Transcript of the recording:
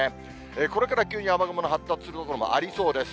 これから急に雨雲の発達する所もありそうです。